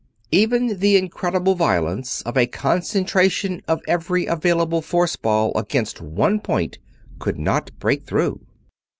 Even the incredible violence of a concentration of every available force ball against one point could not break through.